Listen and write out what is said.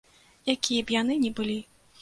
Якія б яны ні былі.